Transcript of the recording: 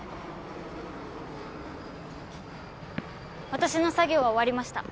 私の作業は終わりました。